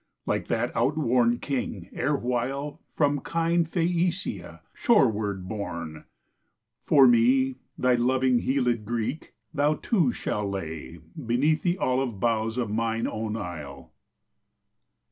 like that outworn king erewhile From kind Phæacia shoreward borne; for me, Thy loving healèd Greek, thou too shall lay Beneath the olive boughs of mine own isle.